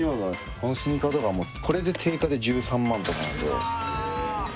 このスニーカーとかこれで定価で１３万とかなんで。